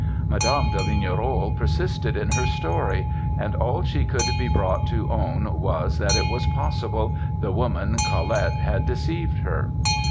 "Madame de Lignerolles persisted in her story, and all she could be brought to own was, that it was possible, the woman, Collett, had deceived her.